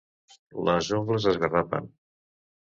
Les ungles esgarrapen.